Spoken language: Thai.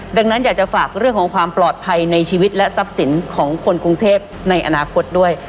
ดังนั้นอยากจะฝากเรื่องของความปลอดภัยในชีวิตและทรัพย์สินของคนกรุงเทพในอนาคตด้วย